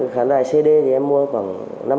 khán đài cd thì em mua khoảng năm sáu trăm linh